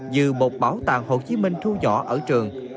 như một bảo tàng hồ chí minh thu nhỏ ở trường